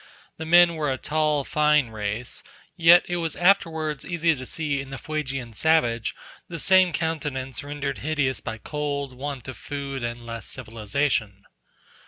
The men were a tall, fine race, yet it was afterwards easy to see in the Fuegian savage the same countenance rendered hideous by cold, want of food, and less civilization.